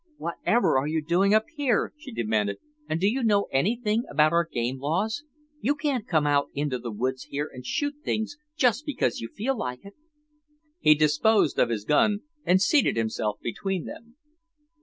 "Whatever are you doing up here," she demanded, "and do you know anything about our game laws? You can't come out into the woods here and shoot things just because you feel like it." He disposed of his gun and seated himself between them.